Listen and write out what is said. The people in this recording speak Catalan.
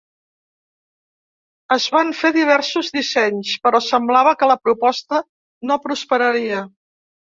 Es van fer diversos dissenys, però semblava que la proposta no prosperaria.